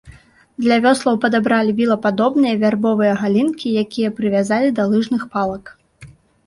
Для вёслаў падабралі вілападобныя вярбовыя галінкі, якія прывязалі да лыжных палак.